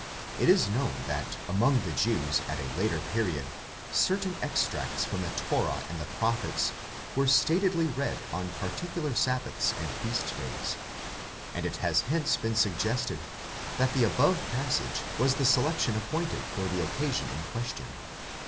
It is known that among the Jews at a later period, certain extracts from the Thorah and the Prophets were statedly read on particular sabbaths and feast days, and it has hence been suggested that the above passage was the selection appointed for the occasion in question.